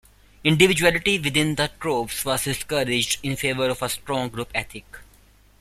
Individuality within the troupes was discouraged in favour of a strong group ethic.